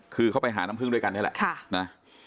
คือเขาไปหาน้ำพึ่งด้วยกันนี่แหละ